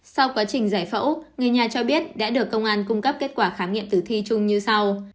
sau quá trình giải phẫu người nhà cho biết đã được công an cung cấp kết quả khám nghiệm tử thi chung như sau